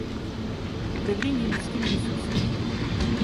Управление людскими ресурсами.